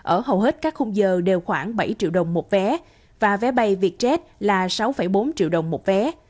ở hầu hết các khung giờ đều khoảng bảy triệu đồng một vé và vé bay vietjet là sáu bốn triệu đồng một vé